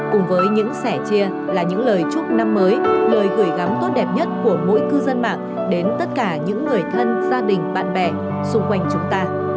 cùng với những sẻ chia là những lời chúc năm mới lời gửi gắm tốt đẹp nhất của mỗi cư dân mạng đến tất cả những người thân gia đình bạn bè xung quanh chúng ta